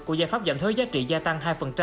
của giải pháp giảm thuế giá trị gia tăng hai